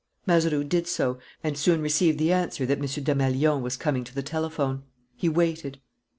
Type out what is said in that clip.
Mazeroux did so and soon received the answer that M. Desmalions was coming to the telephone. He waited.